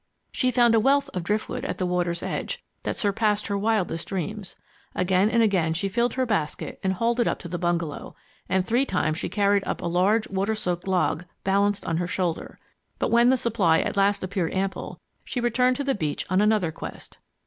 She found a wealth of driftwood at the water's edge that surpassed her wildest dreams. Again and again she filled her basket and hauled it up to the bungalow, and three times she carried up a large, water soaked log balanced on her shoulder. But when the supply at last appeared ample, she returned to the beach on another quest.